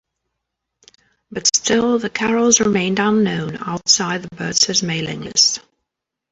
But still, the carols remained unknown outside the Burts' mailing list.